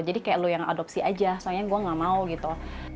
jadi kayak lu yang adopsi aja soalnya gue gak mau gitu